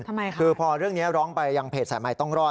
ทำไมคะคือพอเรื่องนี้ร้องไปยังเพจสายใหม่ต้องรอด